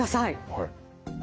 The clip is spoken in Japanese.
はい。